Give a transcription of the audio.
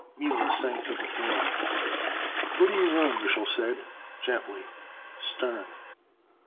Mila sank to the floor. "Go to your room," Mich'l said, gently stern.